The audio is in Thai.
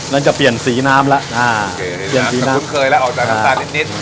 แล้วจะเปลี่ยนสีน้ำล่ะอ่าเปลี่ยนสีน้ำจะคุ้นเคยแล้วออกจากน้ำตาลนิดนิด